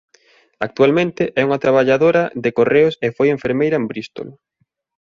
Actualmente é unha traballadora de correos e foi enfermeira en Bristol.